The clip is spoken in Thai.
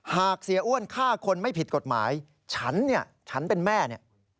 เสียอ้วนฆ่าคนไม่ผิดกฎหมายฉันเนี่ยฉันเป็นแม่เนี่ย